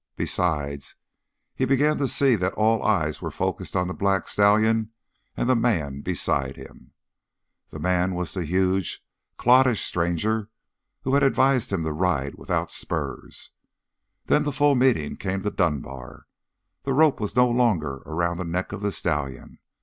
Besides, he began to see that all eyes were focused on the black stallion and the man beside him. That man was the huge, cloddish stranger who had advised him to ride without spurs. Then the full meaning came to Dunbar. The rope was no longer around the neck of the stallion.